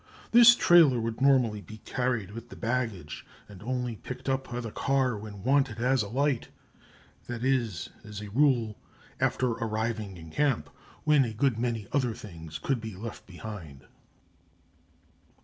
This trailer would normally be carried with the baggage, and only picked up by the car when wanted as a light; that is, as a rule, after arriving in camp, when a good many other things could be left behind."